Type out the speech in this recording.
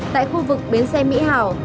tại khu vực bến xe mỹ hảo